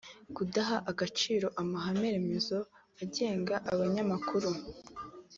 c) Kudaha agaciro amahame-remezo agenga abanyamakuru